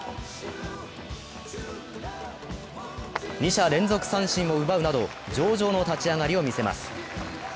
２者連続三振を奪うなど上々の立ち上がりを見せます。